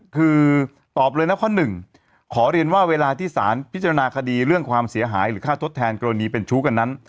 คือตอบเลยนะข้อหนึ่งขอเรียนว่าเวลาที่สารพิจารณาคดีเรื่องความเสียหายหรือค่าทดแทนกรณีเป็นชู้กันนั้น